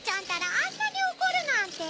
あんなにおこるなんて。